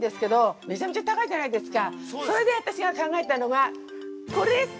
それで私が考えたのがこれです！